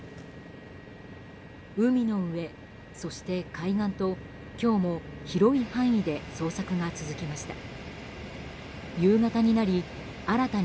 海の上、そして海岸と今日も広い範囲で捜索が続きました。